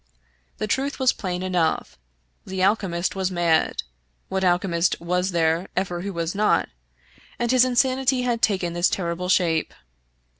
The truth was plain enough : the alchemist was mad — what alchemist was there ever who was not ?— and his insanity had taken this terrible shape.